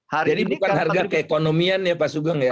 jadi bukan harga keekonomian ya pak ugeng ya